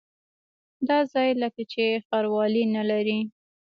دا ځای لکه چې ښاروالي نه لري.